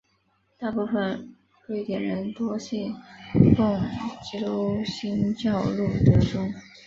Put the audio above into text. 大部分瑞典人多信奉基督新教路德宗。